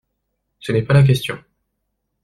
Ce n’est pas la question.